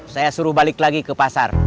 tapi gue datang balik lagi ke pasar